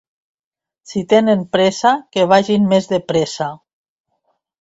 Si tenen pressa, que vagin més de pressa.